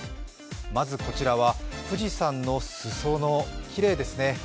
まずこちらは富士山の裾のきれいですね。